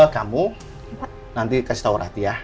kamu nanti kasih tahu ratih ya